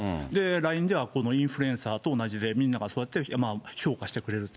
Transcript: ＬＩＮＥではこのインフルエンサーと同じで、みんながそうやって評価してくれると。